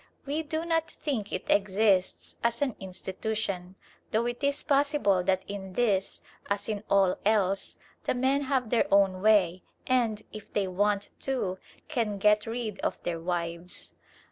We do not think it exists as an institution, though it is possible that in this, as in all else, the men have their own way and, if they want to, can get rid of their wives.